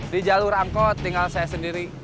di jalur angkot tinggal saya sendiri